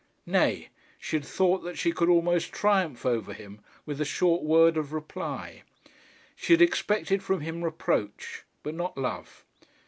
Nay; she had thought that she could almost triumph over him with a short word of reply. She had expected from him reproach, but not love.